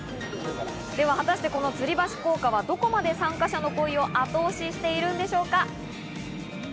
では果たして、このつり橋効果はどこまで参加者の恋を後押ししているんでしょうか？